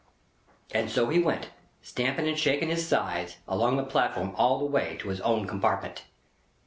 And so he went, stamping and shaking his sides, along the platform all the way to his own compartment.